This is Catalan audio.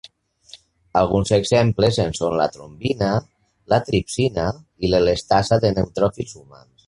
Alguns exemples en són la trombina, la tripsina i l'elastasa de neutròfils humans.